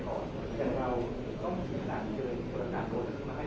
คือจะได้ความเต็มเต็มที่คุณหมายจากอีกครั้งเพราะว่าสถานีบอสเนี่ย